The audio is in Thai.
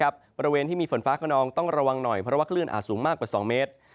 บริเวณที่มีฝนฟ้าขนองต้องระวังหน่อยเพราะว่าคลื่นอาจสูงมากกว่า๒เมตร